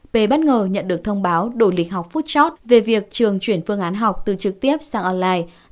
p bất ngờ nhận được thông báo đổi lịch học phút chót về việc trường chuyển phương án học từ trực tiếp sang online